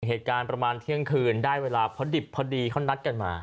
เหตุการณ์ประมาณเที่ยงคืนได้เวลาพอดิบพอดีเขานัดกันมา